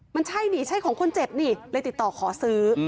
มันใช่หรือเป็นของคนเจ็บเลยติดต่อขอซื้อ